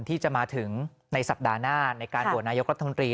ที่จะมาถึงในสัปดาห์หน้าในการโหวตนายกรัฐมนตรี